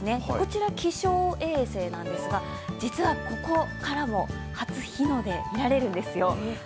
こちら気象衛星なんですが、実はここからも初日の出が見られるんですよ。